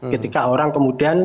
ketika orang kemudian